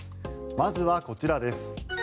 まずはこちらです。